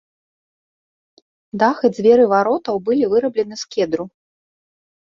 Дах і дзверы варотаў былі выраблены з кедру.